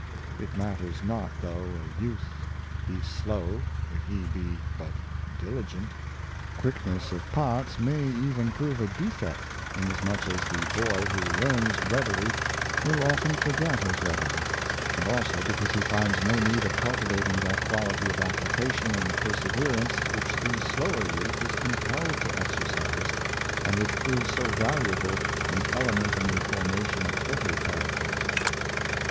It matters not, though a youth be slow, if he be but diligent. Quickness of parts may even prove a defect, isasmuch as the boy who learns readily will often forget as readily; and also be cause he finds no need of cultivating that quality of application and perseverance which the slower youth Success Depends on Perseverance, 331 is compelled to exercise, and which proves so valuable an element in the formation of every character.